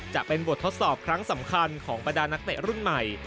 จะเป็นบททดสอบครั้งสำคัญของบรรดานักเตะรุ่นใหม่